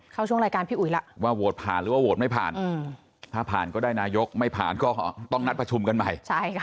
ว่าโหวตผ่านหรือว่าโหวตไม่ผ่านถ้าผ่านก็ได้นายกไม่ผ่านก็ต้องนัดประชุมกันใหม่